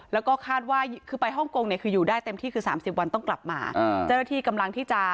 แล้วก็คาดว่าคือไปฮ่องกงคืออยู่ได้เต็มที่คือสามสิบวันต้องกลับมา